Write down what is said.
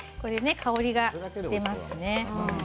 香りが出ますね。